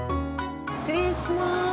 失礼します。